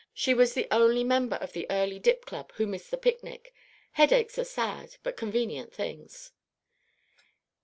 She was the only member of the Early Dip Club who missed the picnic. Headaches are sad but convenient things.